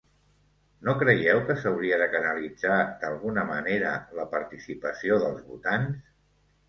No creieu que s’hauria de canalitzar d’alguna manera la participació dels votants?